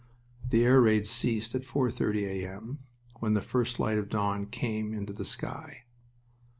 The air raid ceased at 4.30 A.M., when the first light of dawn came into the sky....